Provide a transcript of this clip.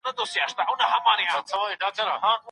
څېړونکو ډګر څېړنه کړې وه.